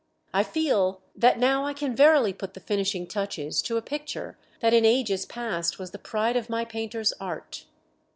I feel that now I can verily put the finishing touches to a picture that in ages past was the pride of my painter's art.